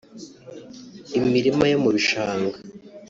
imirima yo mubishanga